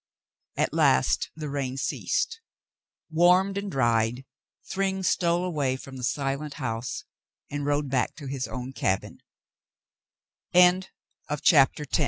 At last the rain ceased ; warmed and dried, Thryng stole away from the silent house and rode back to his own cabi